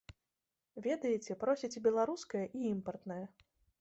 Ведаеце, просяць і беларускае, і імпартнае.